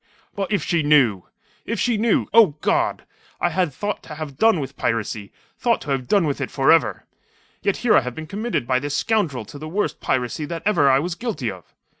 "But if she knew! If she knew! O God! I had thought to have done with piracy; thought to have done with it for ever. Yet here have I been committed by this scoundrel to the worst piracy that ever I was guilty of.